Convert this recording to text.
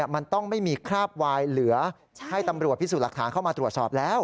มันต้องไม่มีคราบวายเหลือให้ตำรวจพิสูจน์หลักฐานเข้ามาตรวจสอบแล้ว